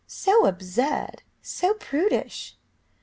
So absurd so prudish!"